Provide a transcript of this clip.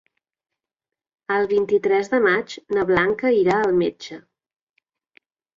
El vint-i-tres de maig na Blanca irà al metge.